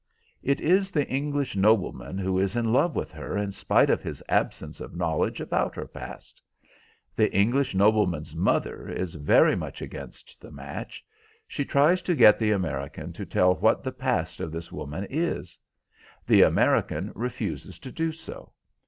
"It is the English nobleman who is in love with her in spite of his absence of knowledge about her past. The English nobleman's mother is very much against the match. She tries to get the American to tell what the past of this woman is. The American refuses to do so.